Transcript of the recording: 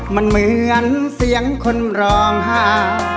มันเหมือนเสียงคนร้องหา